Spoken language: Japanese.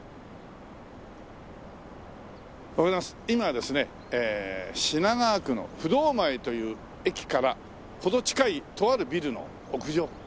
今ですね品川区の不動前という駅から程近いとあるビルの屋上。